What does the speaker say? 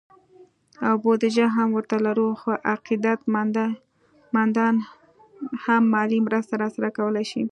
او بودیجه هم ورته لرو، خو عقیدت مندان هم مالي مرسته راسره کولی شي